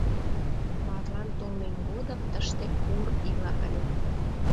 Марлан толмем годым тыште Ур ила ыле.